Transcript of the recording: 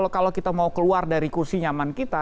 kalau kita mau keluar dari kursi nyaman kita